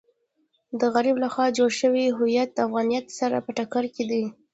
د غرب لخوا جوړ شوی هویت د افغانیت سره په ټکر کې دی.